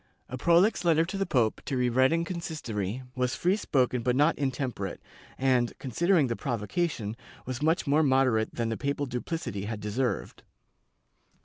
A proUx letter to the pope, to be read in consis tory, was free spoken but not intemperate and, considering the provocation, was much more moderate than the papal duplicity had deserved.